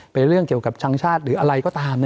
เป็นเรื่องเกี่ยวกับช่างชาติหรืออะไรก็ตาม